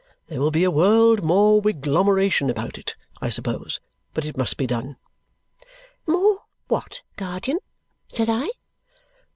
There will be a world more wiglomeration about it, I suppose, but it must be done." "More what, guardian?" said I.